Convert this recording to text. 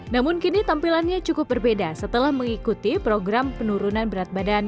namun kini tampilannya cukup berbeda setelah mengikuti program penurunan berat badan